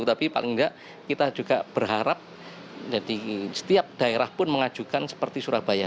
tapi paling tidak kita juga berharap jadi setiap daerah pun mengajukan seperti surabaya